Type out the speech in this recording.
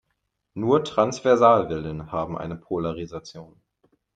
Nur Transversalwellen haben eine Polarisation.